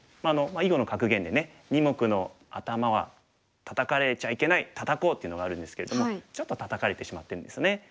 囲碁の格言でね二目のアタマはタタかれちゃいけないタタこうっていうのがあるんですけれどもちょっとタタかれてしまってるんですよね。